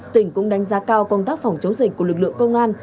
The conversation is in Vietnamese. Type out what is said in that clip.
tỉnh cũng đánh giá cao công tác phòng chống dịch của lực lượng công an